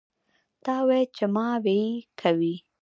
تاوې چې ماوې کوي.